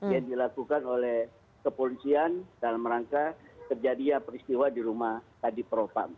yang dilakukan oleh kepolisian dalam rangka terjadinya peristiwa di rumah kadipropam